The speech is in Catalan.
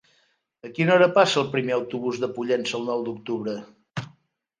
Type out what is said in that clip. A quina hora passa el primer autobús per Pollença el nou d'octubre?